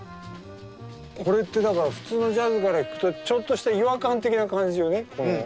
これってだから普通のジャズからいくとちょっとした違和感的な感じよね。